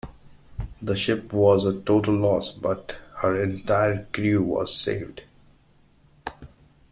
The ship was a total loss, but her entire crew was saved.